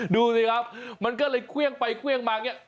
ดูสิครับมันก็เลยเครี่ยงไปเครี่ยงมาเนี่ย